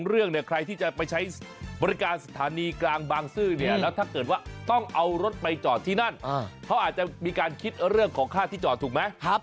เพราะว่าต้องเอารถไปจอดที่นั่นเขาอาจจะมีการคิดเรื่องของค่าที่จอดถูกไหม